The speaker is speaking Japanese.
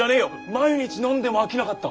毎日飲んでも飽きなかった！